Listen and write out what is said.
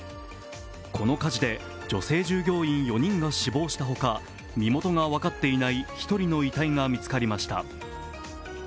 この火事で女性従業員４人が死亡したほか、身元が分かっていない１人の遺体が見つかりました。